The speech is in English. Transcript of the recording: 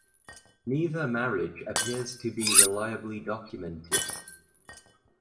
Neither marriage appears to be reliably documented.